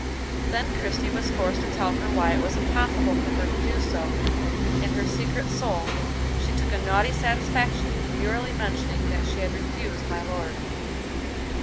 Then Christie was forced to tell her why it was impossible for her to do so; and, in her secret soul, she took a naughty satisfaction in demurely mentioning that she had refused my lord.